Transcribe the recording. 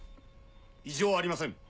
異常ありません。